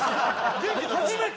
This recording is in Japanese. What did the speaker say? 初めて！